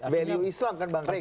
value islam kan bang krei kan